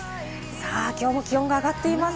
きょうも気温が上がっています。